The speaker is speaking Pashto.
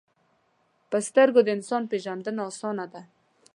په سترګو د انسان پیژندنه آسانه ده